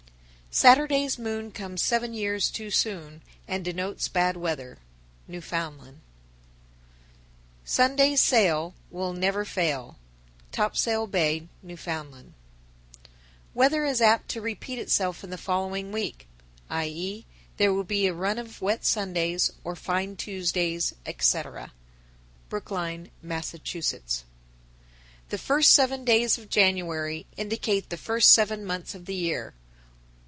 _ 944. Saturday's moon comes seven years too soon, and denotes bad weather. Newfoundland. 945. Sunday's sail Will never fail. Topsail Bay, N.F. 946. Weather is apt to repeat itself in the following week, i.e., there will be a run of wet Sundays or fine Tuesdays, etc. Brookline, Mass. 947. The first seven days of January indicate the first seven months of the year.